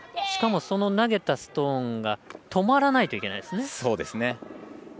しかも投げたストーンが止まらないといけないですね。